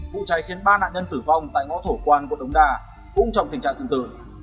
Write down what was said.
vụ cháy khiến ba nạn nhân tử vong tại ngõ thổ quan của đống đa cũng trong tình trạng tương tự